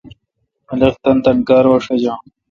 خلق تانی تانی کار وا ݭجا۔